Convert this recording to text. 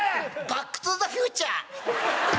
『バック・トゥ・ザ・フューチャー』。